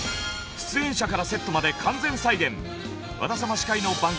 出演者からセットまで完全再現。